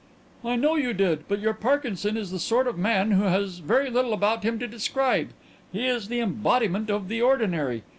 "I know you did, but your Parkinson is the sort of man who has very little about him to describe. He is the embodiment of the ordinary.